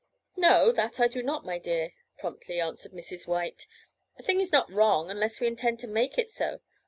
"No, that I do not, my dear," promptly answered Mrs. White. "A thing is not wrong unless we intend to make it so.